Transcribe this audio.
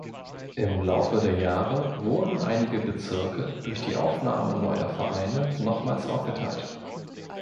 Im Laufe der Jahre wurden einige Bezirke durch die Aufnahme neuer Vereine nochmals aufgeteilt.